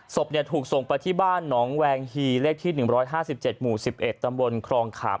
ศพถูกส่งไปที่บ้านหนองแวงฮีเลขที่๑๕๗หมู่๑๑ตำบลครองขาม